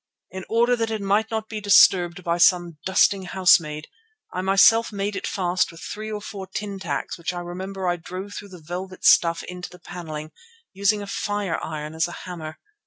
In order that it might not be disturbed by some dusting housemaid, I myself made it fast with three or four tin tacks which I remember I drove through the velvet stuff into the panelling, using a fireiron as a hammer.